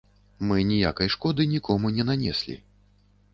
Мы ніякай шкоды нікому не нанеслі.